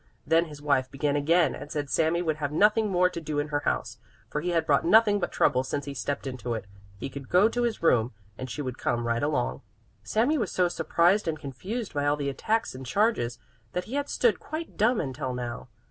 Then his wife began again and said Sami would have nothing more to do in her house; for he had brought nothing but trouble since he stepped into it; he could go to his room, and she would come right along. Sami was so surprised and confused by all the attacks and charges, that he had stood quite dumb until now.